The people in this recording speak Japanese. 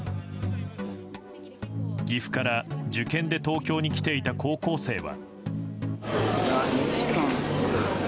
岐阜から受験で東京に来ていた高校生は。